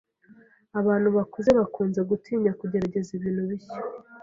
Abantu bakuze bakunze gutinya kugerageza ibintu bishya.